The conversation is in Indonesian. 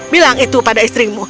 bilang itu pada istrimu